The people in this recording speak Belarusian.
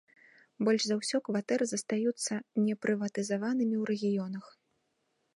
Больш за ўсё кватэр застаюцца непрыватызаванымі ў рэгіёнах.